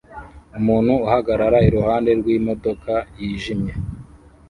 Umuntu ahagarara iruhande rw'imodoka yijimye